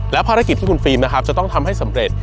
และภารกิจที่คุณฟิล์มนะครับจะต้องทำให้สำเร็จ